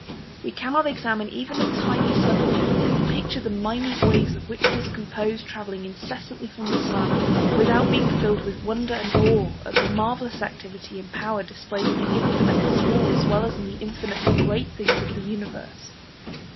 We cannot examine even a tiny sunbeam, and picture the minute waves of which it is composed, travelling incessantly from the sun, without being filled with wonder and awe at the marvellous activity and power displayed in the infinitely small as well as in the infinitely great things of the universe.